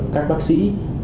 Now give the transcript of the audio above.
các bác sĩ